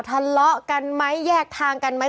ทะเลาะกันไหมแยกทางกันไหม